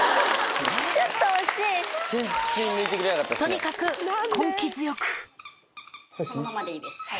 とにかくそのままでいいです。